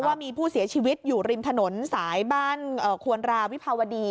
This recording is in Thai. ว่ามีผู้เสียชีวิตอยู่ริมถนนสายบ้านควรราวิภาวดี